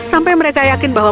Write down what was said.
sampai mereka yakin bahwa